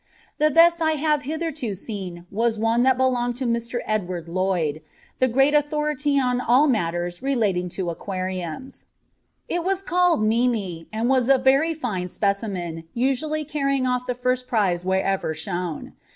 The best I have hitherto seen was one that belonged to Mr. Edward Lloyd, the great authority on all matters relating to aquariums. It was called Mimie, and was a very fine specimen, usually carrying off the first prize wherever shown.